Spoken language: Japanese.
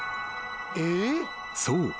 ［そう。